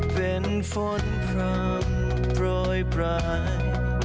เป็นฝนพร้ำปล่อยปลาย